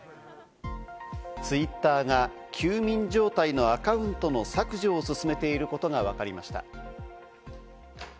ツイッターが休眠状態のアカウントの削除を進めていることがわかりました。